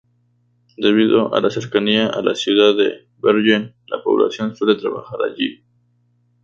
Debido a la cercanía a la ciudad de Bergen, la población suele trabajar allí.